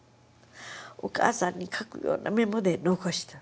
お母さんに書くようなメモで残した。